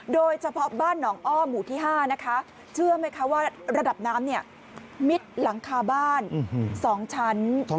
โดยเฉพาะบ้านหนองอ้อหมู่ที่๕นะคะเชื่อไหมคะว่าระดับน้ำมิดหลังคาบ้าน๒ชั้น